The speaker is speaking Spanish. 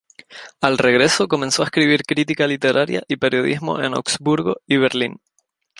Al regreso comenzó a escribir crítica literaria y periodismo en Augsburgo y Berlín.